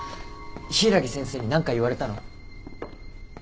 柊木先生に何か言われたの？